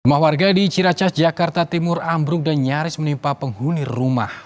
rumah warga di ciracas jakarta timur ambruk dan nyaris menimpa penghuni rumah